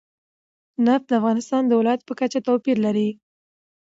نفت د افغانستان د ولایاتو په کچه توپیر لري.